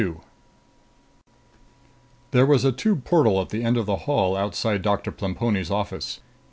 2 There was a tube portal at the end of the hall outside Doctor Plemponi's office.